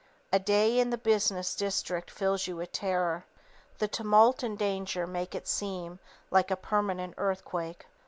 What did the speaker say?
A day in the business district fills you with terror. The tumult and danger make it seem "like a permanent earthquake."